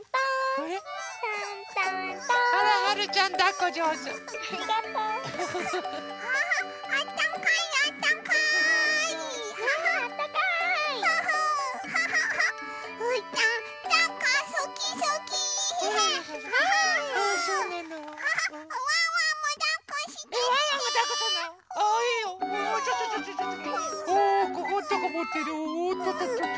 ここんとこもっておっとっとっと。